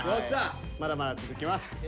まだまだ続きます。